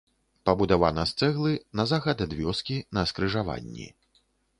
Пабудавана з цэглы, на захад ад вёскі, на скрыжаванні.